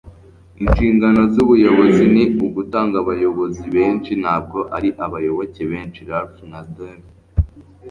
inshingano z'ubuyobozi ni ugutanga abayobozi benshi, ntabwo ari abayoboke benshi. - ralph nader